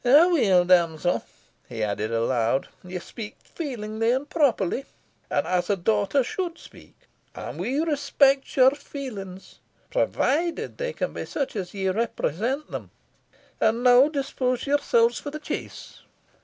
Aweel, damsel," he added aloud, "ye speak feelingly and properly, and as a daughter should speak, and we respect your feelings provided they be sic as ye represent them. And now dispose yourselves for the chase."